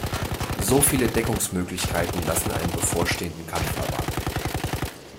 So viele Deckungsmöglichkeiten lassen einen bevorstehenden Kampf erwarten.